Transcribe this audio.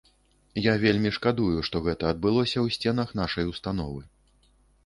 Я вельмі шкадую, што гэта адбылося ў сценах нашай установы.